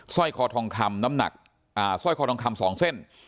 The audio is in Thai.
ร้อยคอทองคำน้ำหนักสร้อยคอทองคำ๒เส้น